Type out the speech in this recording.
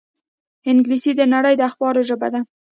انګلیسي د نړۍ د اخبارونو ژبه ده